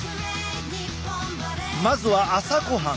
まずは朝ごはん。